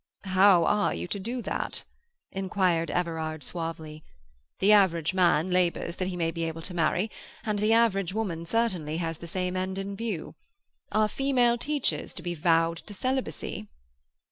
"How are you to do that?" inquired Everard suavely. "The average man labours that he may be able to marry, and the average woman certainly has the same end in view. Are female teachers to be vowed to celibacy?"